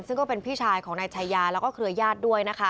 ซึ่งก็เป็นพี่ชายของนายชายาแล้วก็เครือญาติด้วยนะคะ